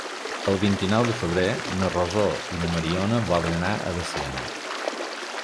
El vint-i-nou de febrer na Rosó i na Mariona volen anar a Veciana.